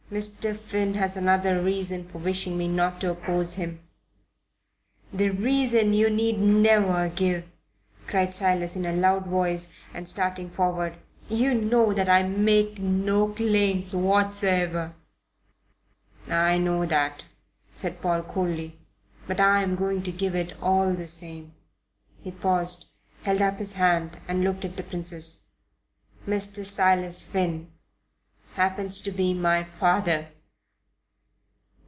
"Mr. Finn has another reason for wishing me not to oppose him " "That reason you need never give," cried Silas in a loud voice, and starting forward. "You know that I make no claims whatsoever." "I know that," said Paul, coldly; "but I am going to give it all the same." He paused, held up his hand and looked at the Princess. "Mr. Silas Finn happens to be my father."